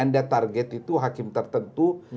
yang dia target itu hakim tertentu